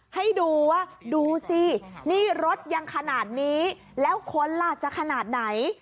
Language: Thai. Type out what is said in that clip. ให้ดูว่าดูสินี่รถยังขนาดนี้แล้วคนล่ะจะขนาดไหน